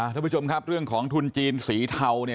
ทุกผู้ชมครับเรื่องของทุนจีนสีเทา